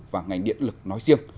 và ngành điện lực nói riêng